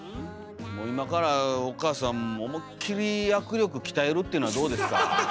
もう今からお母さん思いっきり握力鍛えるっていうのはどうですか？